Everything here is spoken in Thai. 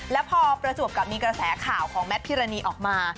แล้วพอประจวบกับมีกระแสข่าวของแมทพิรณีออกมา